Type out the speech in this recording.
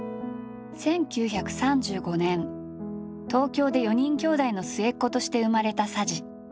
１９３５年東京で４人きょうだいの末っ子として生まれた佐治。